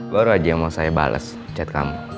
baru aja yang mau saya bales chat kamu